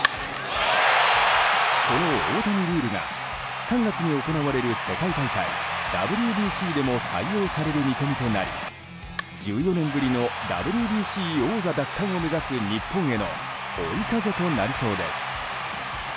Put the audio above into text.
この大谷ルールが３月に行われる世界大会ＷＢＣでも採用される見込みとなり１４年ぶりのＷＢＣ王座奪還を目指す日本への追い風となりそうです。